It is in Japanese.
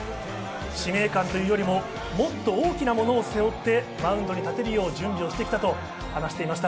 使命感というよりもっと大きなものを背負ってマウンドに立てるよう準備してきたと話していました。